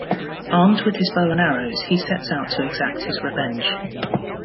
Armed with his bow and arrows, he sets out to exact his revenge.